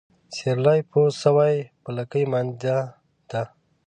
سيرلى پوست سوى ، په لکۍ مانده دى.